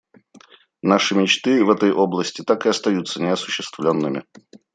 Наши мечты в этой области так и остаются неосуществленными.